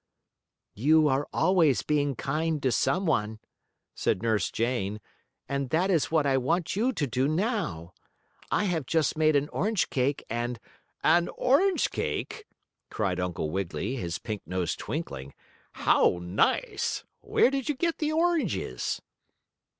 "You are always being kind to some one," said Nurse Jane, "and that is what I want you to do now. I have just made an orange cake, and " "An orange cake?" cried Uncle Wiggily, his pink nose twinkling. "How nice! Where did you get the oranges?"